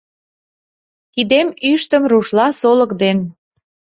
Кидем ӱштым рушла солык ден